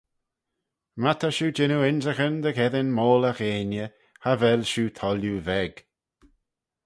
My ta shiu jannoo ynrican dy gheddyn moylley gheiney cha vel shiu toilliu veg.